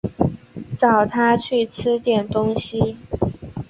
找她去吃点东西